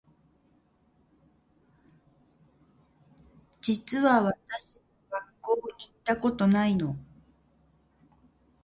実は私も学校行ったことないの